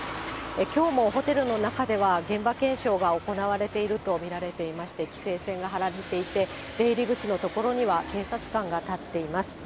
きょうもホテルの中では現場検証が行われていると見られていまして、規制線が張られていて、出入り口の所には警察官が立っています。